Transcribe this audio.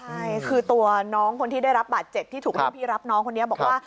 ใช่คือตัวน้องคนที่ได้รับบาดเจ็บที่ถูกรุ่นพี่รับน้องคนนี้บอกว่า